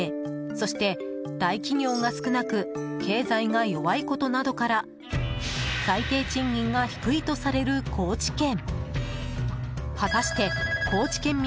そして、大企業が少なく経済が弱いことなどから最低賃金が低いとされる高知県。